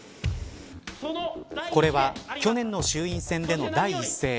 これは去年の衆院選での第一声。